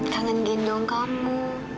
kangen gendong kamu